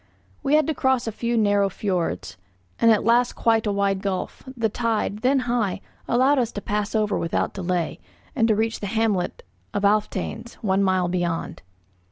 We had to cross a few narrow fiords, and at last quite a wide gulf; the tide, then high, allowed us to pass over without delay, and to reach the hamlet of Alftanes, one mile beyond.